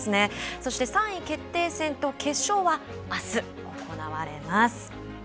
そして３位決定戦と決勝は、あす行われます。